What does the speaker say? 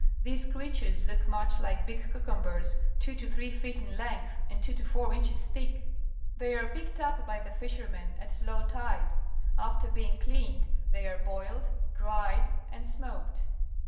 These creatures look much hke big cucum bers two to three feet in length and two to four inches thick. They are picked up by the fishermen at low tide. After being cleaned, they are boiled, dried, and smoked.